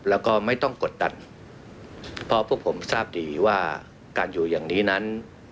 แล้วก็ไม่ต้องกดดันเพราะพวกผมทราบดีว่าการอยู่อย่างนี้นั้น